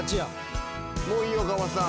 もういいよ川畑さん。